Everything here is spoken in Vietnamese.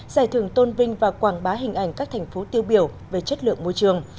giải thưởng tôn vinh và quảng bá hình ảnh các thành phố tiêu biểu về chất lượng môi trường